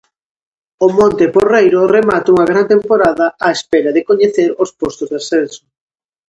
O Monte Porreiro remata unha gran temporada á espera de coñecer os postos de ascenso.